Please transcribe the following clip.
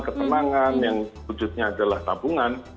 ketenangan yang wujudnya adalah tabungan